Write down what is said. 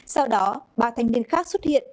sau đó ba thanh niên khác xuất hiện